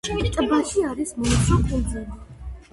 ტბაში არის მომცრო კუნძული.